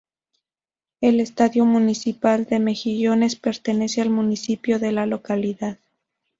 El Estadio Municipal de Mejillones pertenece al municipio de la localidad.